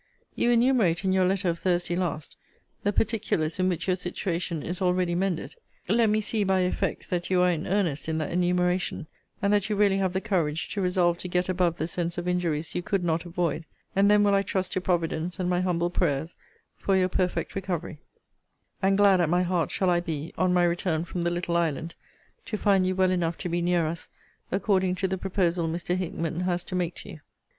You enumerate in your letter of Thursday last,* the particulars in which your situation is already mended: let me see by effects that you are in earnest in that enumeration; and that you really have the courage to resolve to get above the sense of injuries you could not avoid; and then will I trust to Providence and my humble prayers for your perfect recovery: and glad at my heart shall I be, on my return from the little island, to find you well enough to be near us according to the proposal Mr. Hickman has to make to you.